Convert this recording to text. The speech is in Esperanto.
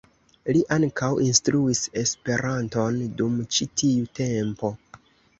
Li ankaŭ instruis Esperanton dum ĉi tiu tempo.